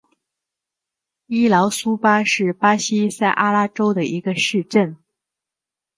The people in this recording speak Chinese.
伊劳苏巴是巴西塞阿拉州的一个市镇。